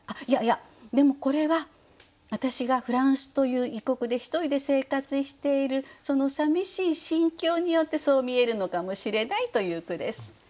いやいやでもこれは私がフランスという異国で一人で生活しているそのさみしい心境によってそう見えるのかもしれないという句です。